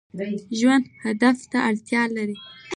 ژوند هدف ته اړتیا لري